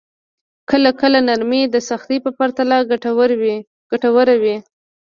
کله کله نرمي د سختۍ په پرتله ګټوره وي.